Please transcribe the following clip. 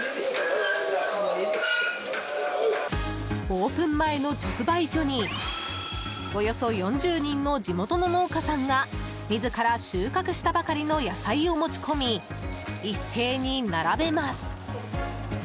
オープン前の直売所におよそ４０人の地元の農家さんが自ら収穫したばかりの野菜を持ち込み、一斉に並べます。